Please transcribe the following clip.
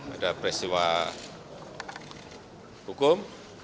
ada peristiwa hukum